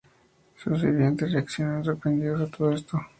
Sus sirvientes reaccionan sorprendidos a todo esto.